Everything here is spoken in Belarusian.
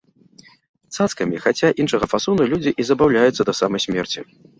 Цацкамі, хаця іншага фасону, людзі і забаўляюцца да самай смерці.